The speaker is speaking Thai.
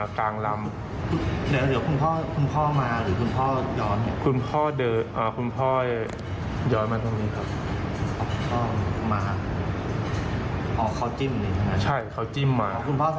คุณพ่อใส่เส้นกระลาดงานรึครับใช่ครับจิ้มมา